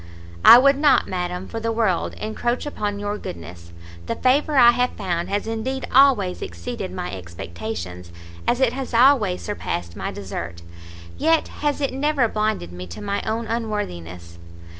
"I would not, madam, for the world encroach upon your goodness; the favour I have found has indeed always exceeded my expectations, as it has always surpassed my desert; yet has it never blinded me to my own unworthiness.